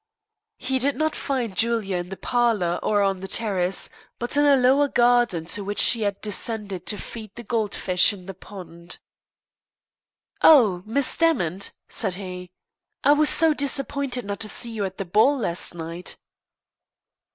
He did not find Julia in the parlour or on the terrace, but in a lower garden to which she had descended to feed the goldfish in the pond. "Oh! Miss Demant," said he, "I was so disappointed not to see you at the ball last night."